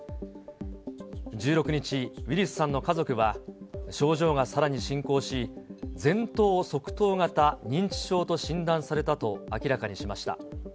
１６日、ウィリスさんの家族は、症状がさらに進行し、前頭側頭型認知症と診断されたと明らかにしました。